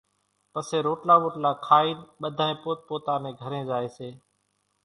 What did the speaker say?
پسي روٽلا ٻوٽلا کائين ٻڌانئين پوت پوتا نين گھرين زائيَ سي۔